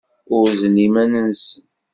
Urzen iman-nsen.